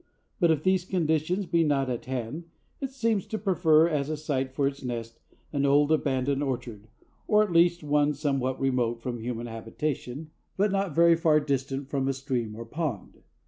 But if these conditions be not at hand, it seems to prefer, as a site for its nest, an old abandoned orchard, or at least one somewhat remote from human habitation, but not very far distant from a stream or pond.